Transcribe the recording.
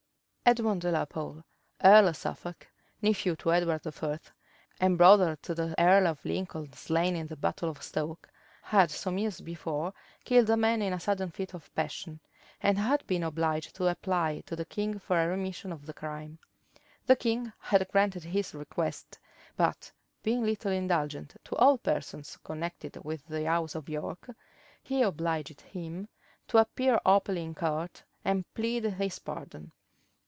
Edmond de la Pole, earl of Suffolk, nephew to Edward IV. and brother to the earl of Lincoln, slain in the battle of Stoke, had some years before killed a man in a sudden fit of passion, and had been obliged to apply to the king for a remission of the crime. The king had granted his request; but, being little indulgent to all persons connected with the house of York, he obliged him to appear openly in court and plead his pardon.